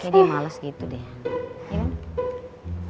kedih males gitu deh